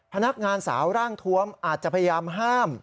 พนักงานสาวร่างทวมอาจจะพยายามห้าม